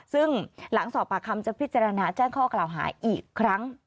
ซึ่งหลังสอบปากคำจะพิจารณาแจ้งข้อกล่าวหาอีกครั้ง